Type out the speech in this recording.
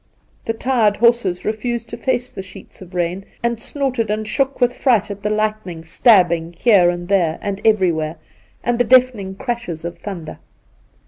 The tu ed horses refused to face the sheets of rain, and snorted and shook with fright at the lightning stabbing here and there and everywhere, and the deafening crashes of thunder.